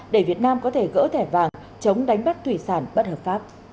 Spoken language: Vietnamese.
để việt nam có thể gỡ thẻ vàng chống đánh bắt thủy sản bất hợp pháp